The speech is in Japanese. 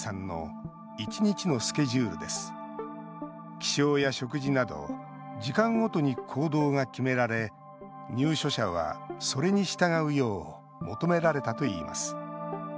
起床や食事など時間ごとに行動が決められ入所者は、それに従うよう求められたといいます。